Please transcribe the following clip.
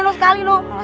gua tuh kaya dapet nih